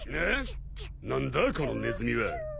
何だこのネズミはチュ。